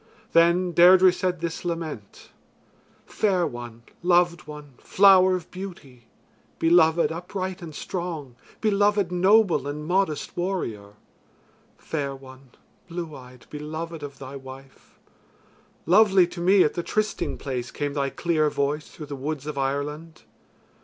Then Deirdre said this lament: "Fair one, loved one, flower of beauty; beloved upright and strong; beloved noble and modest warrior. Fair one, blue eyed, beloved of thy wife; lovely to me at the trysting place came thy clear voice through the woods of Ireland.